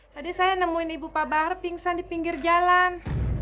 tadi saya nemuin ibu pak bahar pingsan di pinggir jalan